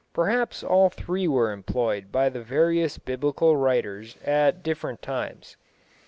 Perhaps all three were employed by the various biblical writers at different times.